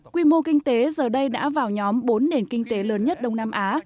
quy mô kinh tế giờ đây đã vào nhóm bốn nền kinh tế lớn nhất đông nam á